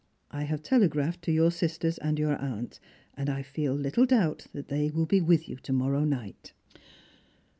I have telegrajihed to your sisters and your aunt, and I feel little doubt they will be with you to morrow night."